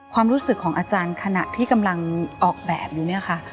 ความรู้สึกของอาจารย์ขณะที่กำลังออกแบบอยู่เนี่ยค่ะ